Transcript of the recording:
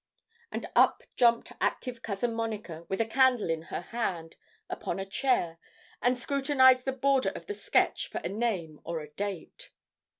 And up jumped active Cousin Monica, with a candle in her hand, upon a chair, and scrutinised the border of the sketch for a name or a date.